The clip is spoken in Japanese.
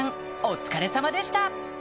お疲れさまでした！